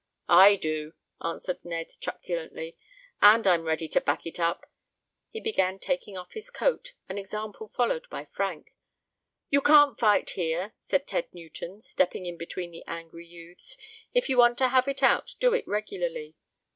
"I do!" answered Ned truculently, "and I'm ready to back it up!" He began taking off his coat, an example followed by Frank. "You can't fight here," said Ted Newton, stepping in between the angry youths. "If you want to have it out, do it regularly."